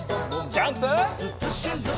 ジャンプ！